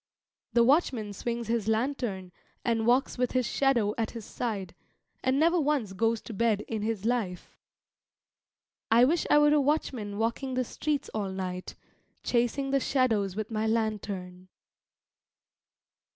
The watchman swings his lantern and walks with his shadow at his side, and never once goes to bed in his life. I wish I were a watchman walking the streets all night, chasing the shadows with my lantern.